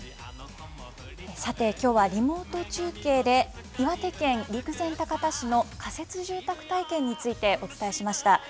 さて、きょうはリモート中継で、岩手県陸前高田市の仮設住宅体験についてお伝えしました。